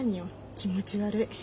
気持ち悪い。